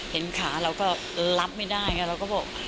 เห็นขาเราก็รับไม่ได้ไงเราก็บอก